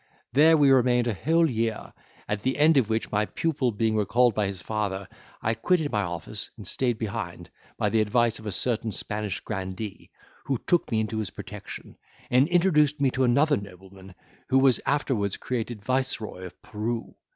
There we remained a whole year, at the end of which my pupil being recalled by his father, I quitted my office, and stayed behind, by the advice of a certain Spanish grandee, who took me into his protection, and introduced me to another nobleman, who was afterwards created viceroy of Peru.